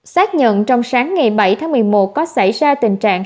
xác nhận trong sáng ngày bảy tháng một mươi một có xảy ra tình trạng